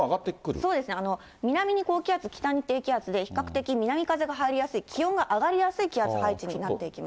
そうですね、南に高気圧、北に低気圧で、比較的南風が入りやすい、気温が上がりやすい気圧配置になっていきます。